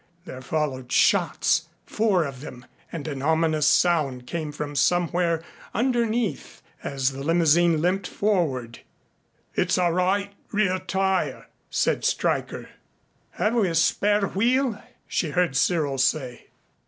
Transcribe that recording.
There followed shots four of them and an ominous sound came from somewhere underneath as the limousine limped forward. "It's our right rear tire," said Stryker. "Have we a spare wheel," she heard Cyril say.